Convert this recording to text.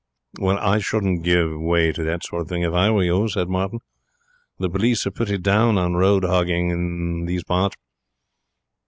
"' 'I shouldn't give way to that sort of thing if I were you,' said Martin. 'The police are pretty down on road hogging in these parts.'